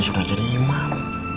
sudah jadi imam